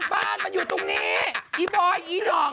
บ้านมันอยู่ตรงนี้อีบอยอีหล่อง